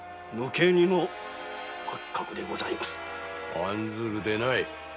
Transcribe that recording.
案ずるでない。